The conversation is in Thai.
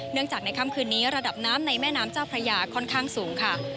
จากในค่ำคืนนี้ระดับน้ำในแม่น้ำเจ้าพระยาค่อนข้างสูงค่ะ